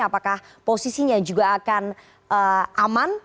apakah posisinya juga akan aman